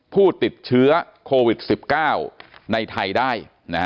ผู้ติดเชื้อโควิด๑๙ในไทยได้